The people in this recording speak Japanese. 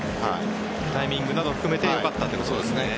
タイミングなどを含めてよかったということですね。